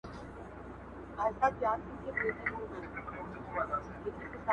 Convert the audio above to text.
o که په ژړا کي مصلحت وو، خندا څه ډول وه.